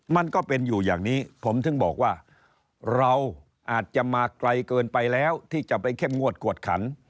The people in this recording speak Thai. มันก็เป็นอยู่อย่างนี้ผมถึงบอกว่าเราอาจจะมาไกลเกินไปแล้วที่จะไปเข้มงวดกวดขัน